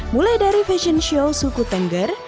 mulai dari fashion show suku tengger